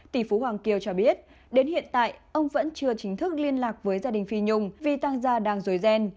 tỷ phú hoàng kiều cho biết đến hiện tại ông vẫn chưa chính thức liên lạc với gia đình phi nhung vì tăng gia đang dối ghen